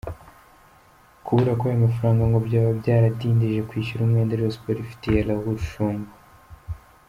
Kubura kw’aya mafaranga ngo byaba byaratindije kwishyura umwenda Rayon Sport ifitiye Raoul Shungu.